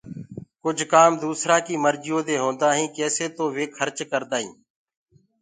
ڪجھ ڪآم دوسرآ ڪيٚ مرجيو دي هونٚدآ هينٚ ڪيسي تو وي کرچ ڪردآئينٚ